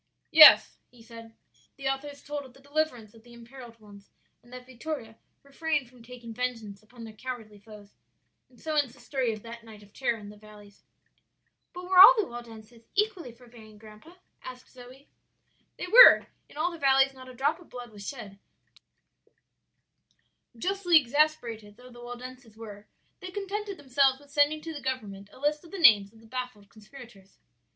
"Yes," he said, "the author has told of the deliverance of the imperilled ones, and that Vittoria refrained from taking vengeance upon their cowardly foes; and so ends the story of that night of terror in the valleys." "But were all the Waldenses equally forbearing, grandpa?" asked Zoe. "They were; in all the valleys not a drop of blood was shed; justly exasperated though the Waldenses were, they contented themselves with sending to the government a list of the names of the baffled conspirators.